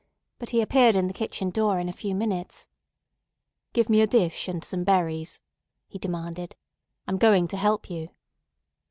But he appeared in the kitchen door in a few minutes. "Give me a dish and some berries," he demanded. "I'm going to help you."